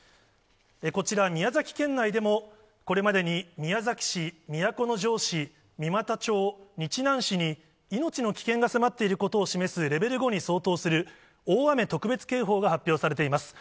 こちら、宮崎県内でも、これまでに宮崎市、都城市、三股町、日南市に、命の危険が迫っていることを示すレベル５に相当する、大雨特別警報が発表されています。